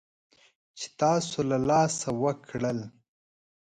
چې تاسو له لاسه ورکړل